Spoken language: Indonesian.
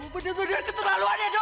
kamu benar benar keterlaluan edo